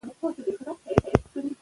د لیکوالو تلینونه زموږ لپاره یو فرصت دی.